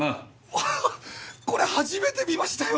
あはっこれ初めて見ましたよ！